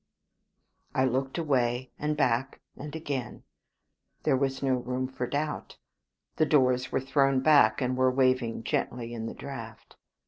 I looked away, and back, and again. There was no room for doubt. The doors were thrown back, and were waving gently in the draught.